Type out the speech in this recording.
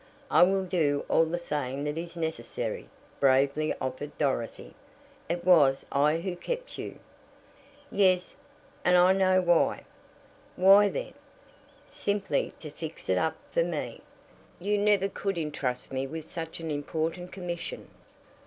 "I will do all the saying that is necessary," bravely offered Dorothy. "It was I who kept you." "Yes, and I know why." "Why, then?" "Simply to fix it up for me. You never could intrust me with such an important commission."